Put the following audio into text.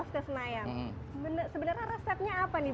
sebenarnya resepnya apa nih